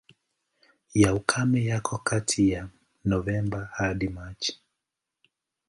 Ya ukame yako kati ya Novemba hadi Machi.